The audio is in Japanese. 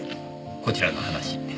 こちらの話。